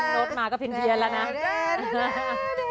มึงโน้ตมาก็เพียงเพียนแล้วนะคะ